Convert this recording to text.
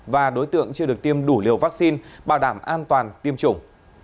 và đối tượng chưa được tiêm đủ liều vaccine bảo đảm an toàn tiêm chủng